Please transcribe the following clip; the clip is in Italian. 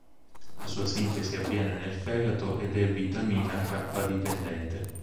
La sua sintesi avviene nel fegato ed è vitamina K-dipendente.